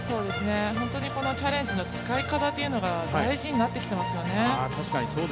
本当にこのチャレンジの使い方というのが大事になってきていますよね。